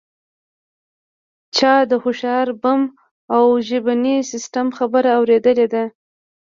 چا د هوښیار بم او ژبني سیستم خبره اوریدلې ده